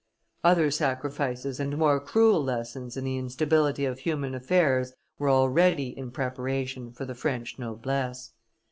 Other sacrifices and more cruel lessons in the instability of human affairs were already in preparation for the French noblesse.